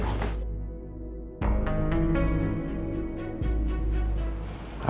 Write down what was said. ada apa kamu telfon papa